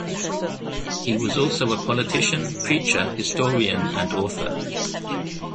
He was also a politician, preacher, historian and author.